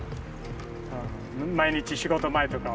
毎日仕事前とか？